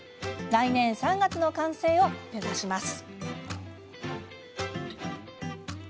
来年３月の完成を目指します。